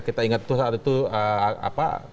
kita ingat tuh saat itu apa